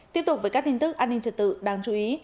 tiếp tục với các tin tức an ninh trật tự đáng chú ý